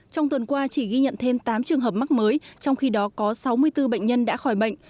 trong tuần qua chỉ ghi nhận thêm tám trường hợp mắc mới trong khi đó có sáu mươi bốn bệnh nhân đã khỏi bệnh